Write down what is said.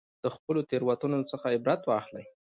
د خپلو تېروتنو څخه عبرت واخلئ.